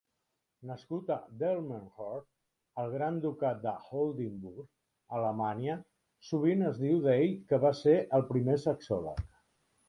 Nascut a Delmenhorst, al Gran Ducat d'Oldenburg, Alemanya, sovint es diu d'ell que va ser el primer sexòleg.